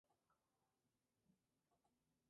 Bomberman Legacy